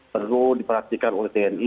perlu diperhatikan oleh tni